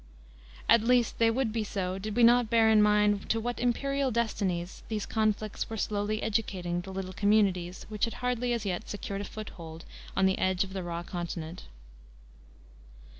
At least, they would be so did we not bear in mind to what imperial destinies these conflicts were slowly educating the little communities which had hardly as yet secured a foothold on the edge of the raw continent.